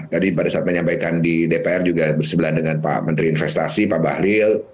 tadi pada saat menyampaikan di dpr juga bersebelah dengan pak menteri investasi pak bahlil